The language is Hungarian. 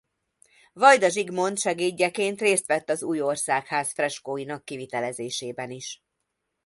Vajda Zsigmond segédjeként részt vett az új Országház freskóinak kivitelezésében is.